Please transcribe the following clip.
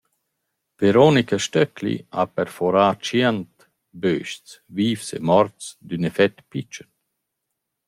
Veronika Stöckli ha perforà tschient bös-chs, vivs e morts, d’ün effectiv pitschen.